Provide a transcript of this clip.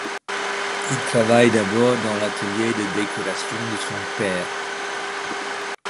Il travaille d’abord dans l’atelier de décoration de son père.